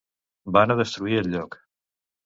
Van a destruir el lloc.